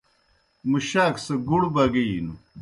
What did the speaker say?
مُشاک سہ گُڑ بگِینوْ۔